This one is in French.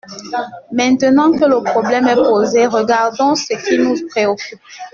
Maintenant que le problème est posé, regardons ce qui nous préoccupe.